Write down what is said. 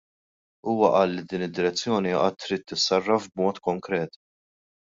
Huwa qal li din id-direzzjoni għad trid tissarraf b'mod konkret.